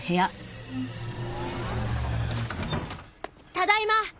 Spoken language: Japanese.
ただいま。